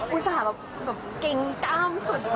อุตส่าห์แบบเกร็งกล้ามสุด